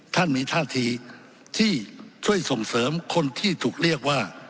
ท่านมีท่าทีที่ช่วยส่งเสริมคนที่ถูกเรียกว่า